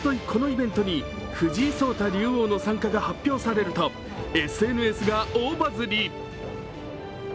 このイベントに藤井聡太竜王の参加が発表されるとＳＮＳが大バズり。